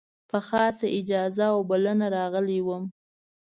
په خاصه اجازه او بلنه راغلی وم.